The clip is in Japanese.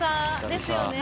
ですよね